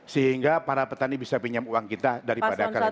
sehingga para petani bisa pinjam uang kita daripada rentenir